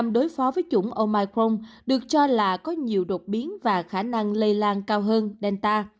đối phó với chủng omicron được cho là có nhiều đột biến và khả năng lây lan cao hơn delta